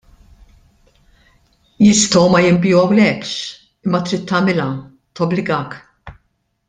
Jistgħu ma jinbigħulekx imma trid tagħmilha, tobbligak.